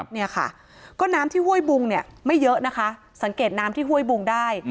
เนี่ยค่ะก็น้ำที่ห้วยบุงเนี่ยไม่เยอะนะคะสังเกตน้ำที่ห้วยบุงได้